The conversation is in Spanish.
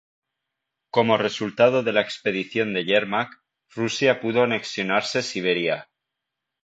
Como resultado de la expedición de Yermak, Rusia pudo anexionarse Siberia.